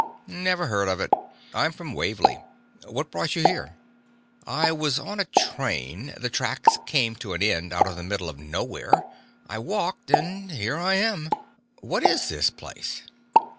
"Never heard of it. I'm from Wavly. What brought you here?" "I was on a train. The tracks came to an end out in the middle of nowhere. I walked ... and here I am. What is this place?"